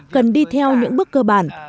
cần đi theo những bước cơ bản